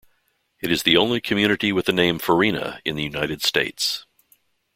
It is the only community with the name "Farina" in the United States.